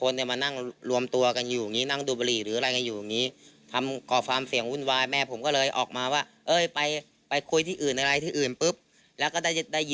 แล้วเด็กกลุ่มนี้เขามีพฤติกรรมอย่างไรบ้าง